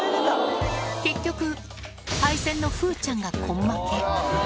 結局、パイセンの風ちゃんが根負け。